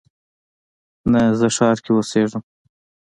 نه، زه ښار کې اوسیږم